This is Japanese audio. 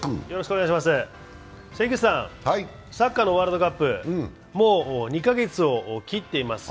関口さん、サッカーのワールドカップ、もう２か月を切っています。